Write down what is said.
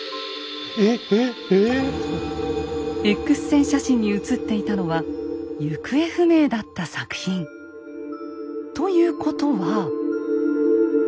⁉Ｘ線写真に写っていたのは行方不明だった作品。ということは。